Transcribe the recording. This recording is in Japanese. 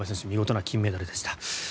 見事な金メダルでした。